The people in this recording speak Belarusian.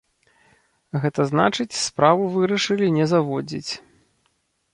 Гэта значыць, справу вырашылі не заводзіць.